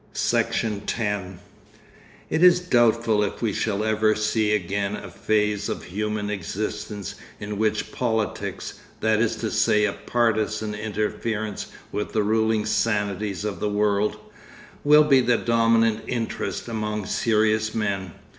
Section 9 It is doubtful if we shall ever see again a phase of human existence in which 'politics,' that is to say a partisan interference with the ruling sanities of the world, will be the dominant interest among serious men.